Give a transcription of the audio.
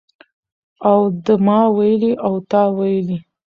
او د ما ویلي او تا ویلي